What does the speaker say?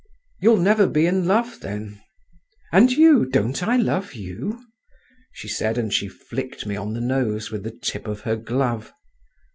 "You'll never be in love, then?" "And you? Don't I love you?" she said, and she flicked me on the nose with the tip of her glove.